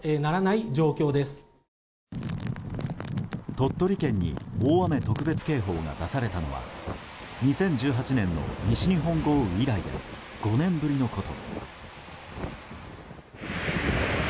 鳥取県に大雨特別警報が出されたのは２０１８年の西日本豪雨以来で５年ぶりのこと。